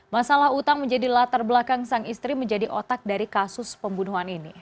masalah utang menjadi latar belakang sang istri menjadi otak dari kasus pembunuhan ini